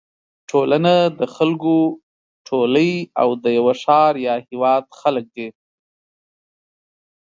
ټولنه د خلکو ټولی او د یوه ښار یا هېواد خلک دي.